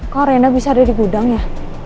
kok rena bisa ada di gudang ya